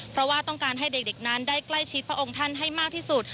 เพราะว่าต้องการให้เด็กนั้นได้ใกล้ชิดพระองค์ท่านให้มากที่สุด